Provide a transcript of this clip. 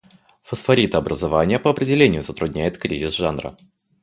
Фосфоритообразование, по определению, затрудняет кризис жанра.